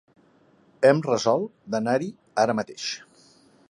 Hem resolt d'anar-hi ara mateix.